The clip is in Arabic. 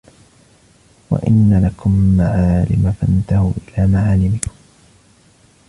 وَإِنَّ لَكُمْ مَعَالِمَ فَانْتَهُوا إلَى مَعَالِمِكُمْ